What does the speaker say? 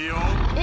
え？